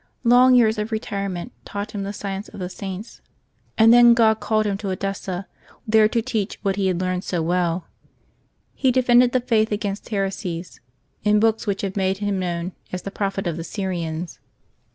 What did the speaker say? Long years of retirement taught him the science of the Saints, and then God called him to Edesea, there to teach what he had learned so well. He defended the Faith against heresies, in books which have made him known as the Prophet of the Syrians.